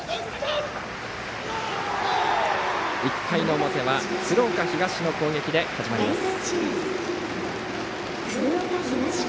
１回の表は鶴岡東の攻撃で始まります。